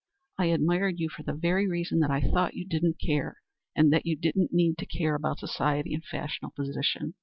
I admired you for the very reason that I thought you didn't care, and that you didn't need to care, about society and fashionable position.